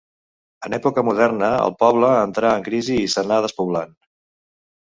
En època moderna el poble entrà en crisi i s'anà despoblant.